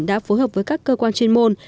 đã phối hợp với các cơ quan chuyên môn